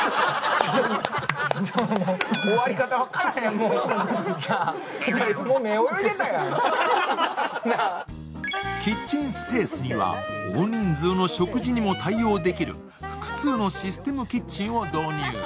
もしかして、あのキッチンスペースには大人数の食事にも対応できる複数のシステムキッチンを導入